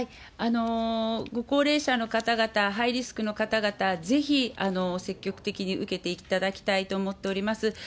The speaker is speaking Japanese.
ご高齢者の方々、ハイリスクの方々、ぜひ積極的に受けていただきたいと思っております。